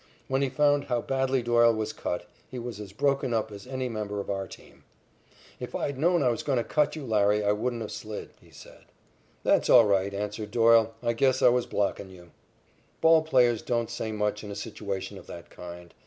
When he found how badly Doyle was cut, he was as broken up as any member of our team. "If I'd known I was goin' to cut you, Larry, I wouldn't have slid," he said. "That's all right," answered Doyle. "I guess I was blockin' you." Ball players don't say much in a situation of that kind.